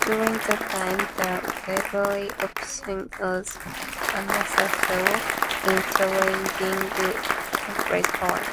During the time, the Liberal opposition was unsuccessful in challenging Duplessis' power.